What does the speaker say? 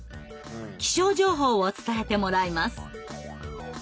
気象情報を伝えてもらいます。